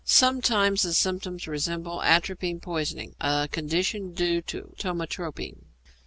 Sometimes the symptoms resemble atropine poisoning, a condition due to ptomatropine.